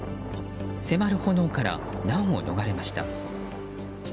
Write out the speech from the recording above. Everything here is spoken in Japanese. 迫る炎から難を逃れました。